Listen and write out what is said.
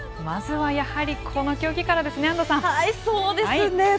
まずはやはりこの競技からでそうですね。